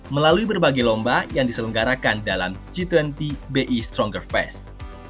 melalui berbagai lomba yang diselenggarakan dalam g dua puluh bi stronger fest